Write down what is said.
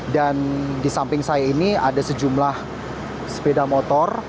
dan di samping saya ini ada sejumlah sepeda motor